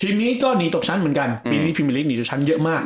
นี้ก็หนีตกชั้นเหมือนกันปีนี้พิมมิลิกหนีแต่ชั้นเยอะมาก